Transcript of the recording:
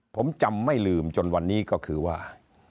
ผมจำไม่ลืมจนวันนี้ก็คือว่า